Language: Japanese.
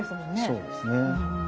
そうですね。